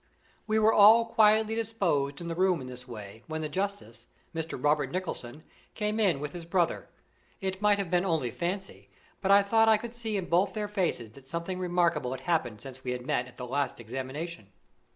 We were all quietly disposed in the room in this way, when the justice, Mr. Robert Nicholson, came in with his brother. It might have been only fancy, but I thought I could see in both their faces that something remarkable had happened since we had met at the last examination.